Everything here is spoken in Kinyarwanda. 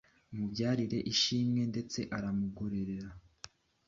umubyarira ishimwe ndetse aramugororera